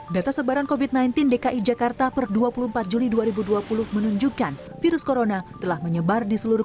data sebaran covid sembilan belas dki jakarta per dua puluh empat juli dua ribu dua puluh menunjukkan virus corona telah menyebar di seluruh